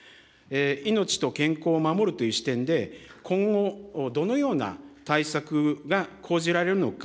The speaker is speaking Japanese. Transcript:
命と健康を守るという視点で、今後どのような対策が講じられるのか。